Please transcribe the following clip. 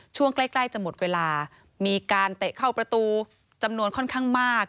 ช่วงใกล้จะหมดเวลามีการเตะเข้าประตูจำนวนค่อนข้างมาก